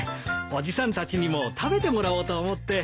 伯父さんたちにも食べてもらおうと思って。